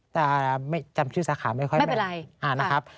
แต่จำชื่อสาขาไม่ค่อยไม่เป็นไร